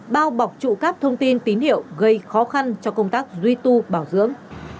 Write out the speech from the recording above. bao bọc trụ cắp thông tin tín hiệu gây khó khăn cho công tác duy tu bảo dưỡng